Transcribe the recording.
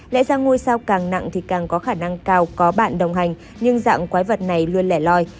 lẽ ra ngôi sao càng nặng thì càng có khả năng cao có bạn đồng hành nhưng dạng quái vật này luôn lẻ loi